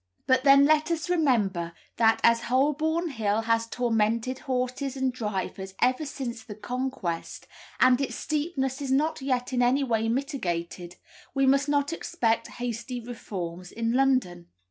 But then let us remember that as Holborn Hill has tormented horses and drivers ever since the Conquest, and its steepness is not yet in any way mitigated, we must not expect hasty reforms in London.